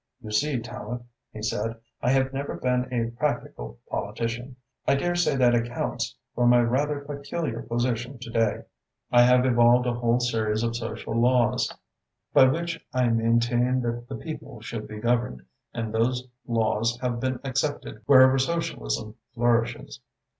"You see, Tallente," he said, "I have never been a practical politician. I dare say that accounts for my rather peculiar position to day. I have evolved a whole series of social laws by which I maintain that the people should be governed, and those laws have been accepted wherever socialism flourishes.